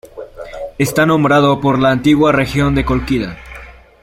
Está nombrado por la antigua región de Cólquida.